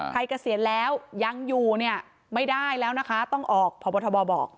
เกษียณแล้วยังอยู่เนี่ยไม่ได้แล้วนะคะต้องออกพบทบบอก